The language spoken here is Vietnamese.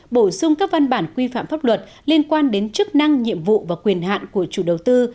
bổ sung các văn bản quy phạm pháp luật liên quan đến chức năng nhiệm vụ và quyền hạn của chủ đầu tư